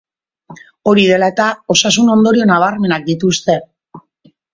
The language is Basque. Hori dela eta, osasun-ondorio nabarmenak dituzte.